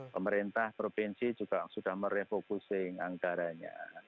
pemerintah provinsi juga sudah merefocusing anggaranya